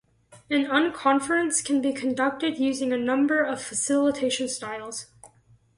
An unconference can be conducted using a number of facilitation styles.